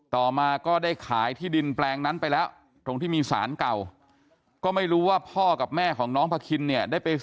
ต่อมาก็ได้ขายที่ดินแปลงนั้นไปแล้วตรงที่มีศาลเก่า